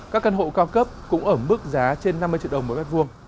các căn hộ cao cấp cũng ở mức giá trên năm mươi triệu đồng một m hai